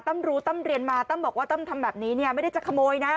รู้ตั้มเรียนมาตั้มบอกว่าตั้มทำแบบนี้เนี่ยไม่ได้จะขโมยนะ